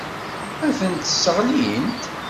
Ad tent-sseɣlint.